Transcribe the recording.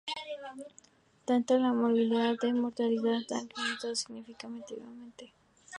Tanto la morbilidad como la mortalidad han incrementado significativamente.